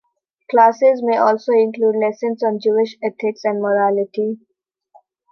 Classes may also include lessons on Jewish ethics and morality.